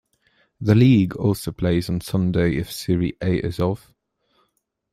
The league also plays on Sunday if Serie A is off.